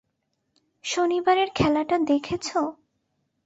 শনিবারের খেলাটা দেখেছ?